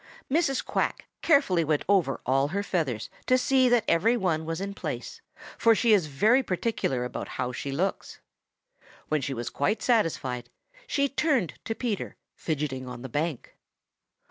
Mrs. Quack carefully went over all her feathers to see that every one was in place, for she is very particular about how she looks. When she was quite satisfied, she turned to Peter, fidgeting on the bank.